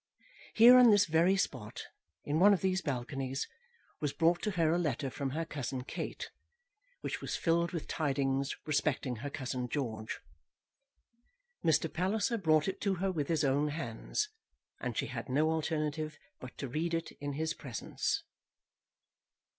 Here, on this very spot, in one of these balconies, was brought to her a letter from her cousin Kate, which was filled with tidings respecting her cousin George. Mr. Palliser brought it to her with his own hands, and she had no other alternative but to read it in his presence.